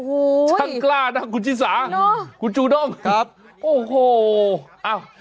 โอ้โหช่างกล้านะคุณชิสาคุณจูด้งครับโอ้โหอ้าว